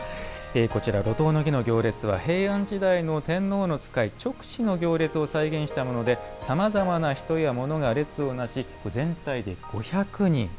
こちら、路頭の儀の行列は平安時代の天皇の使い勅使の行列を再現したものでさまざまな人やものが列をなし、全体で５００人。